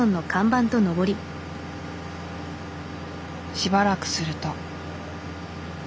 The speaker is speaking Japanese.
しばらくすると。